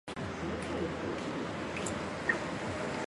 位于今克什米尔的巴基斯坦控制区北部吉尔吉特河上游山区。